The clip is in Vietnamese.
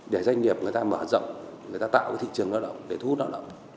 để doanh nghiệp người ta mở rộng người ta tạo thị trường lao động để thu hút lao động